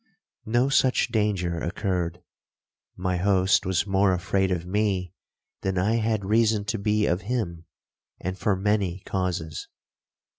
No such danger occurred,—my host was more afraid of me than I had reason to be of him, and for many causes.